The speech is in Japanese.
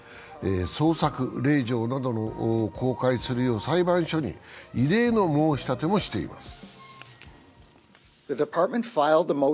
捜索令状などを公開するよう裁判所に異例の申し立てもしています。